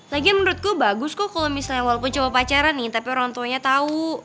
lagian menurut gue bagus kok kalo misalnya walaupun cuma pacaran nih tapi orang tuanya tau